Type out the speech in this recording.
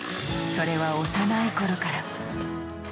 それは幼い頃から。